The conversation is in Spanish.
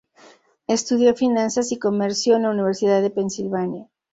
Estudió Finanzas y Comercio en la Universidad de Pennsylvania.